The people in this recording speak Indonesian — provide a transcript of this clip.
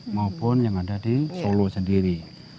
maupun yang ada di solo sendiri